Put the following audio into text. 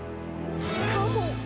しかも。